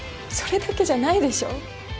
それだけじゃないでしょ